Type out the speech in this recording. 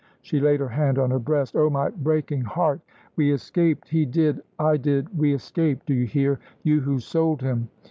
she laid her hand on her breast; "oh, my breaking heart! We escaped he did I did; we escaped. Do you hear, you who sold him?